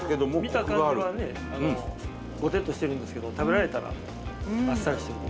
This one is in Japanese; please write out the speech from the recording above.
見た感じはねぼてっとしてるんですけど食べられたらあっさりしてる。